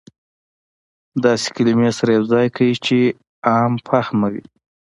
داسې کلمې سره يو ځاى کړى چې عام فهمه وي.